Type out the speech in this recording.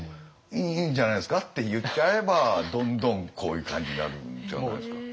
「いいんじゃないですか」って言っちゃえばどんどんこういう感じになるんじゃないですか。